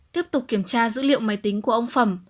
tiếp tục kiểm tra dữ liệu máy tính của ông phẩm